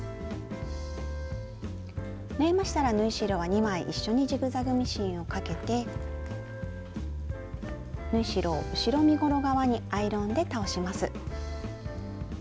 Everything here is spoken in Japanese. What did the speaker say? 縫えましたら縫い代は２枚一緒にジグザグミシンをかけて縫い代を後ろ身ごろ側にアイロンで倒します。